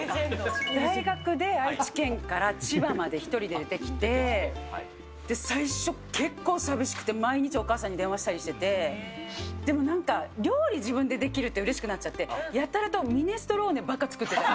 大学で愛知県から千葉まで１人で出てきて、最初、結構寂しくて、毎日お母さんに電話したりしてて、でもなんか、料理自分でできるってうれしくなっちゃって、やたらとミネストローネばっかり作ってた。